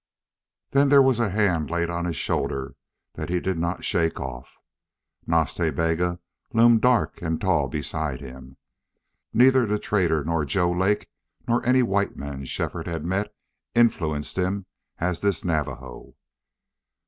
Then there was a hand laid on his shoulder that he did not shake off. Nas Ta Bega loomed dark and tall beside him. Neither the trader nor Joe Lake nor any white man Shefford had met influenced him as this Navajo.